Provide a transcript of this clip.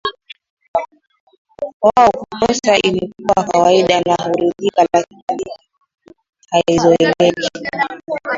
Wao kukosa imekuwa kawaida na huridhika lakini dhiki haizoeleki